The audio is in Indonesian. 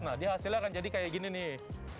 nah dia hasilnya akan jadi kayak gini nih